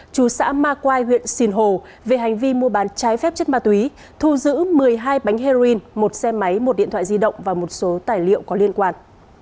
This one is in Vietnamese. chú xã ma quai huyện sìn hồ về hành vi mua bán trái phép chất ma túy thu giữ một mươi hai bánh heroin một xe máy một điện thoại di động và một số tài liệu có liên quan